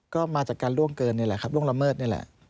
ก็มาจากการล่วงเกินนี่แหละครับล่วงละเมิดนี่แหละ